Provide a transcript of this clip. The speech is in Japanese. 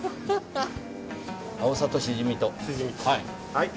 はい。